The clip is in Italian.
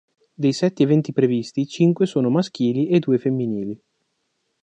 Dei sette eventi previsti, cinque sono maschili e due femminili.